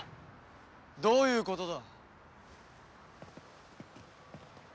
どういうことだ？